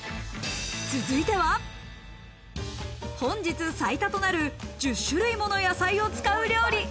続いては本日最多となる１０種類もの野菜を使う料理。